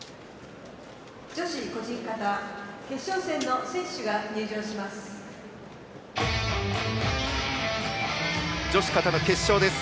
女子個人形決勝戦の選手が入場します。